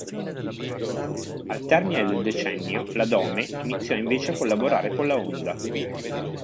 Al termine del decennio la Dome iniziò invece a collaborare con la Honda.